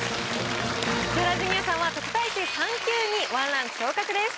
千原ジュニアさんは特待生３級に１ランク昇格です。